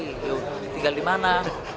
yuk tinggal di mana